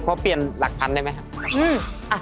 ขอเปลี่ยนหลักพันได้ไหมครับ